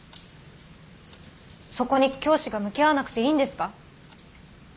そこに教師が向き合わなくていいんですか？